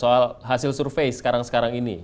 soal hasil survei sekarang sekarang ini